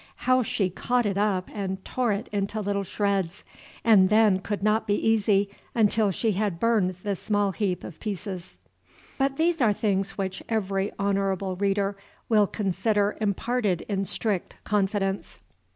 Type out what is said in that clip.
How she caught it up and tore it into little shreds, and then could not be easy until she had burned the small heap of pieces But these are things which every honorable reader will consider imparted in strict confidence.